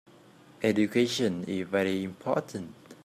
Education is very important.